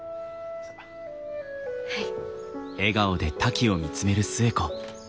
はい。